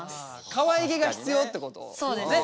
かわいげが必要ってことね？